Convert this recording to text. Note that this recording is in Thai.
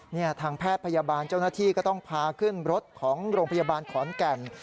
ทางแพทย์พยาบาลเจ้าหน้าที่ก็ต้องพาขึ้นรถของโรงพยาบาลขอนแก่น